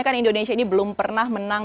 kan indonesia ini belum pernah menang